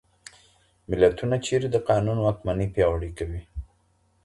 ملتونه چیري د قانون واکمني پیاوړي کوي؟